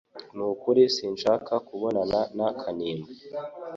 Nukuri sinshaka kubonana na Kanimba